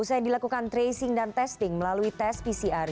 usai dilakukan tracing dan testing melalui tes pcr